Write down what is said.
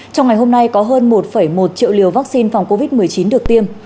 trong ngày hôm nay có hơn một một triệu liều vaccine phòng covid một mươi chín được tiêm